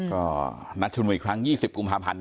ก็นัดชุมนุมอีกครั้ง๒๐กุมภาพันธ์